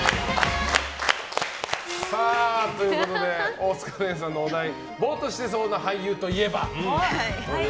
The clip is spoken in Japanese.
大塚寧々さんのお題ぼーっとしてそうな俳優といえば。